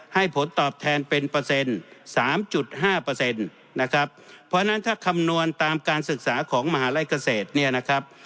ให้ผลตอบแทนเป็นเปอร์เซ็นต์สามจุดห้าเปอร์เซ็นต์นะครับเพราะฉะนั้นถ้าคำนวณตามการศึกษาของมหาลัยเกษตรเนี่ยนะครับ